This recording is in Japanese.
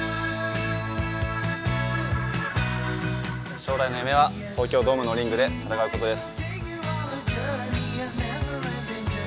将来の夢は東京ドームのリングで戦うことです。